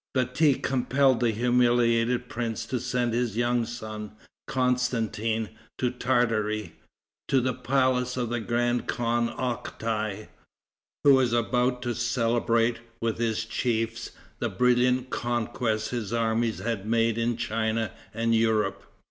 Bati compelled the humiliated prince to send his young son, Constantin, to Tartary, to the palace of the grand khan Octai, who was about to celebrate, with his chiefs, the brilliant conquests his army had made in China and Europe.